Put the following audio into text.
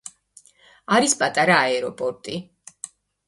არის პატარა აეროპორტი.